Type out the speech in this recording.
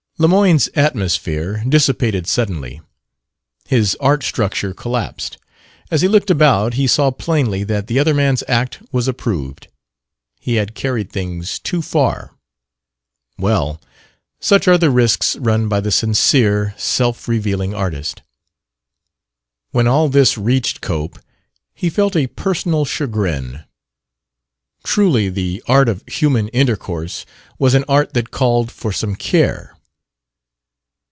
Lemoyne's "atmosphere" dissipated suddenly. His art structure collapsed. As he looked about he saw plainly that the other man's act was approved. He had carried things too far. Well, such are the risks run by the sincere, self revealing artist. When all this reached Cope, he felt a personal chagrin. Truly, the art of human intercourse was an art that called for some care.